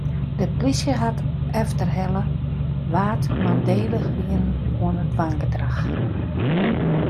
De polysje hat efterhelle wa't mandélich wiene oan it wangedrach.